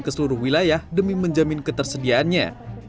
ke seluruh wilayah demi menjamin ketersediaannya